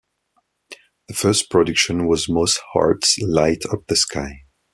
The first production was Moss Hart's "Light Up the Sky".